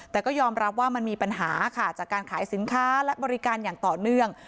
แต่ก็ยอมรับว่ามันมีปัญหาค่ะจากการขายสินค้าและบริการอย่างต่อเนื่อง